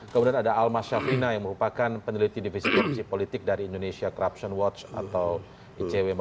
kemudian ada almas syafrina yang merupakan peneliti divisi korupsi politik dari indonesia corruption watch atau icw